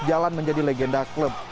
menjalan menjadi legenda klub